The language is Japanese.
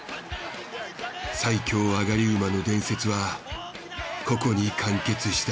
最強上がり馬の伝説はここに完結した。